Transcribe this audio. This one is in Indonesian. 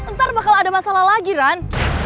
ntar bakal ada masalah lagi kan